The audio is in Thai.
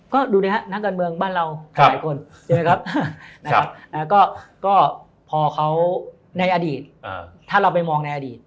ก็ดูนี่เนคะ